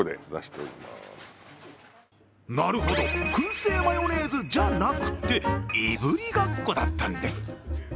なるほど、くん製マヨネーズじゃなくていぶりがっこだったんです。